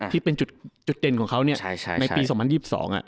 ที่เป็นจุดเด่นของเขาเนี่ยในปี๒๐๒๒